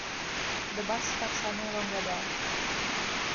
The bus stops are no longer there.